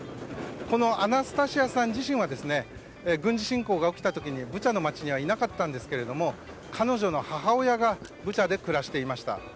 このアナスタシアさん自身は軍事侵攻が起きた時ブチャの街にはいなかったんですが彼女の母親がブチャで暮らしていました。